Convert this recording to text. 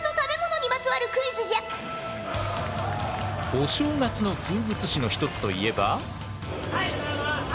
お正月の風物詩の一つといえば。